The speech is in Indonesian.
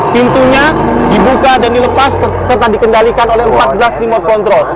pintunya dibuka dan dilepas serta dikendalikan oleh empat belas remote control